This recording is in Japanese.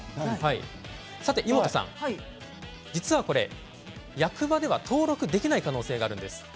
イモトさん、実はこれ役場では登録できない可能性があるんです。